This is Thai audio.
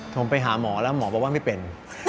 ผมไปหาหมอแล้วหมอบอกว่าไม่เป็น